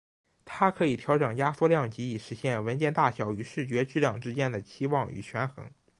它可以调整压缩量级以实现文件大小与视觉质量之间的期望与权衡。